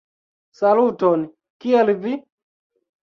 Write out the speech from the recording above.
Saluton, kiel vi?